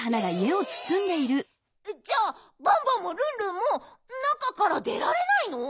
じゃあバンバンもルンルンもなかからでられないの？